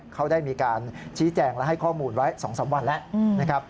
เข้าได้มีการชี้แจ่งให้ข้อมูลไว้๒๓วันและ